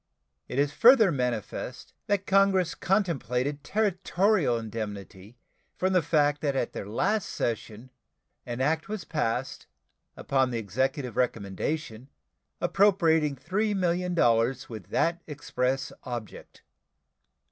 It is further manifest that Congress contemplated territorial indemnity from the fact that at their last session an act was passed, upon the Executive recommendation, appropriating $3,000,000 with that express object.